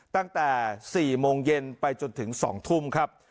ตั้งแต่๔โมงเย็นไปจนถึง๒ทุ่มครับ